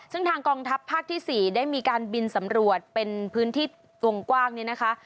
ซึ่งทางกองทัพภาคที่๔ได้มีการบินสำรวจเป็นพื้นที่กวงกว้างเนี่ยนะคะ